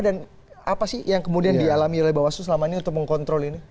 dan apa sih yang kemudian dialami oleh mbak waslu selama ini untuk mengkontrol ini